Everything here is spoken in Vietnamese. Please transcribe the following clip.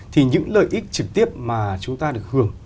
thì những lợi ích trực tiếp mà chúng ta được hưởng